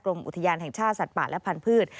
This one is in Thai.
อุทยานแห่งชาติสัตว์ป่าและพันธุ์